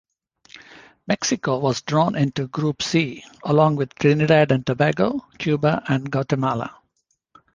Mexico was drawn into Group C along with Triniad and Tobago, Cuba and Guatemala.